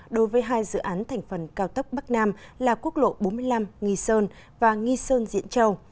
đối với hai dự án thành phần cao tốc bắc nam là quốc lộ bốn mươi năm nghi sơn và nghi sơn diễn châu